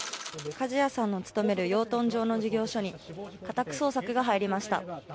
梶谷さんの勤める養豚場の事業所に家宅捜索が入りました。